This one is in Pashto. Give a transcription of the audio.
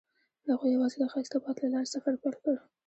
هغوی یوځای د ښایسته باد له لارې سفر پیل کړ.